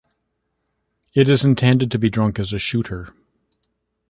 It is intended to be drunk as a shooter.